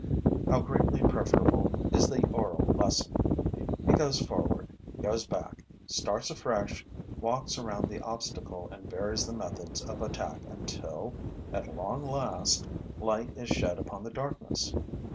How greatly preferable is the oral lesson! It goes forward, goes back, starts afresh, walks around the obstacle and varies the methods of attack until, at long last, light is shed upon the darkness.